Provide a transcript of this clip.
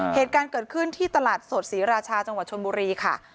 เหตุการณ์เกิดขึ้นที่ตลาดสดศรีราชาจังหวัดชนบุรีค่ะ